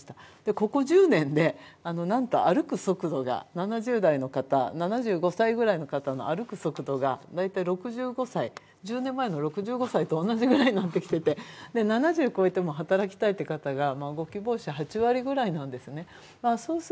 ここ１０年で歩く速度が７０代の方７５歳ぐらいの方の歩く速度が１０年前の６５歳と同じぐらいになってきていて、７０越えても働きたいという方がご希望者８割ぐらいなんですね。